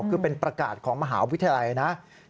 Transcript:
คือเป็นประกาศของมหาวิทยาธรรมศาสตร์